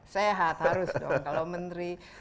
sehat harus dong